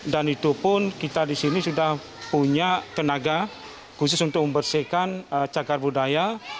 dan itu pun kita di sini sudah punya tenaga khusus untuk membersihkan cagar budaya